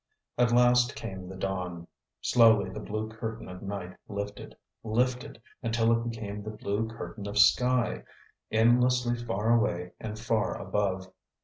At last came the dawn. Slowly the blue curtain of night lifted, lifted, until it became the blue curtain of sky, endlessly far away and far above.